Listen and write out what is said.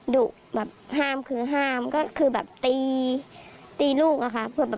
ดุแบบห้ามคือห้ามก็คือแบบตีตีลูกอะค่ะ